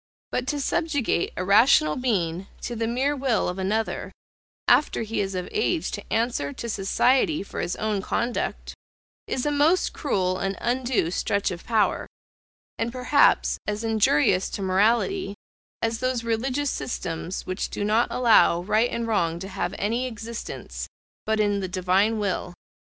But to subjugate a rational being to the mere will of another, after he is of age to answer to society for his own conduct, is a most cruel and undue stretch of power; and perhaps as injurious to morality, as those religious systems which do not allow right and wrong to have any existence, but in the Divine will.